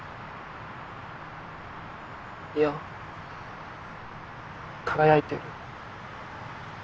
いや輝いてる。